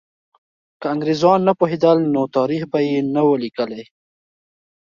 که انګریزان نه پوهېدل، نو تاریخ به یې نه وو لیکلی.